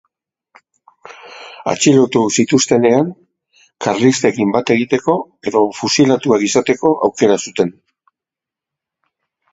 Atxilotu zituztenean, karlistekin bat egiteko edo fusilatuak izateko aukera zuten.